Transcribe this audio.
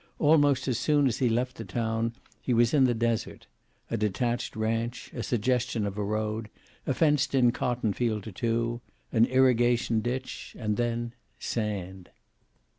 Almost as soon as he left the town he was in the desert; a detached ranch, a suggestion of a road, a fenced in cotton field or two, an irrigation ditch, and then sand.